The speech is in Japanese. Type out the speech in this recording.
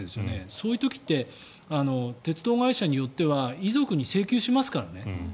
そういう時って鉄道会社によっては遺族に請求しますからね。